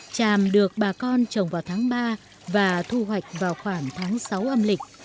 tràm được bà con trồng vào tháng ba và thu hoạch vào khoảng tháng sáu âm lịch